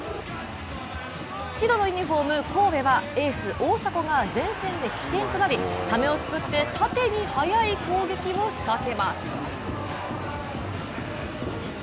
白のユニフォーム、神戸はエース・大迫が前線で起点となりためを作って縦に速い攻撃を仕掛けます。